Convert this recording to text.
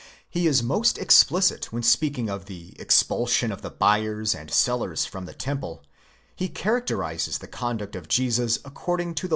He is most explicit when speaking of the expulsion of the buyers and sellers from the temple ; he characterizes the conduct of Jesus, 10 De principp.